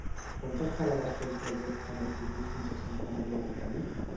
Quantes parades té el trajecte en autobús fins a Santa Maria del Camí?